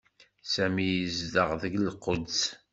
Sami yezdeɣ deg Lquds.